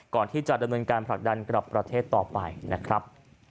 ก่อนที่จะดำเนินการผลักดันกลับประเทศต่อไปนะครับ